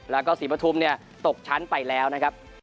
แล้วก็สีพะทุ่มตกชั้นไปแล้วนะครับ